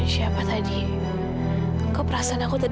selamat tinggal amira